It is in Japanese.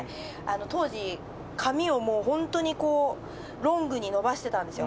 当時髪をホントにロングに伸ばしてたんですよ。